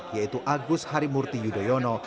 yaitu agus harimurti yudhoyono